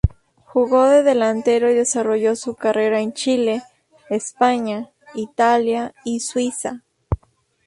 Jugó de delantero y desarrolló su carrera en Chile, España, Italia y Suiza.